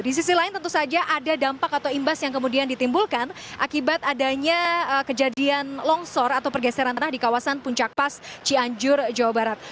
di sisi lain tentu saja ada dampak atau imbas yang kemudian ditimbulkan akibat adanya kejadian longsor atau pergeseran tanah di kawasan puncak pas cianjur jawa barat